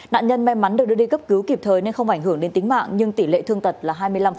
nạn nhân may mắn được đưa đi cấp cứu kịp thời nên không ảnh hưởng đến tính mạng nhưng tỷ lệ thương tật là hai mươi năm